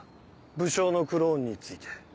武将のクローンについて。